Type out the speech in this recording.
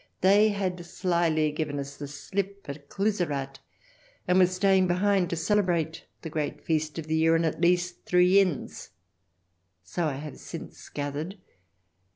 They had slyly given us the slip at Cluserath, and were staying behind to celebrate the great feast of the year in at least three inns — so I have since gathered.